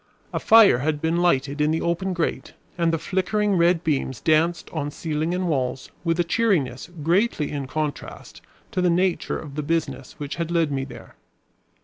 A fire had been lighted in the open grate, and the flickering red beams danced on ceiling and walls with a cheeriness greatly in contrast to the nature of the business which had led me there.